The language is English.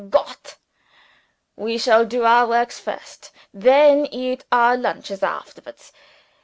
"Goot. We shall do our works first: then eat our lunches afterwards.